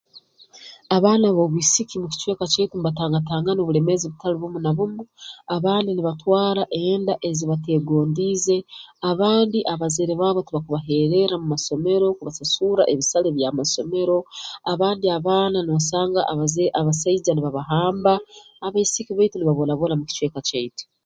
Abaana b'obwisiki mu kicweka kyaitu mbatangatangana obulemeezi butali bumu na bumu abandi nibatwara enda ezibateegondiize abandi abazaire baabo tibakubaheererra mu masomero kubasasurra ebisale by'amasomero abandi abaana noosanga abazai basaija nibabahamba abaisiki baitu nibabonabona mu kicweka kyaitu